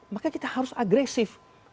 maka kita harus agresif